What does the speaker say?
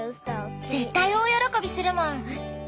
絶対大喜びするもん。